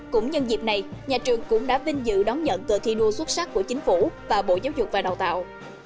cũng nhân dịp này nhà trường cũng đã vinh dự đón nhận cờ thi đua xuất sắc của chính phủ và bộ giáo dục và đào tạo